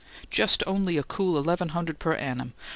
Just only a cool eleven hundred per annum!